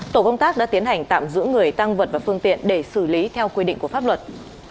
tổ công tác đã tiến hành tạm giữ người tăng vật và phương tiện để xử lý theo quy định của pháp luật